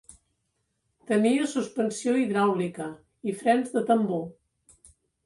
Tenia suspensió hidràulica i frens de tambor.